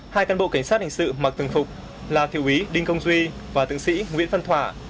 hai căn bộ cảnh sát hình sự mặc tường phục là thiệu úy đinh công duy và tượng sĩ nguyễn văn thỏa